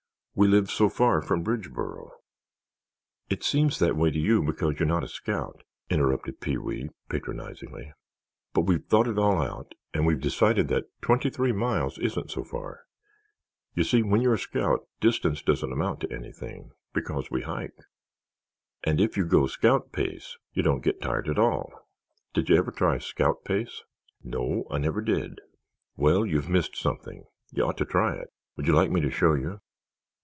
We live so far from Bridgeboro——" "It seems that way to you because you're not a scout," interrupted Pee wee, patronizingly. "But we've thought it all out and we've decided that twenty three miles isn't so far. You see, when you're a scout distance doesn't amount to anything, because we hike. And if you go scout pace, you don't get tired at all. Did you ever try scout pace?" "No, I never did." "Well, you've missed something. You ought to try it. Would you like me to show you?"